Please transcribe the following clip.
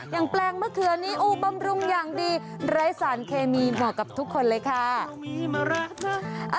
แปลงมะเขือนี้อูบำรุงอย่างดีไร้สารเคมีเหมาะกับทุกคนเลยค่ะ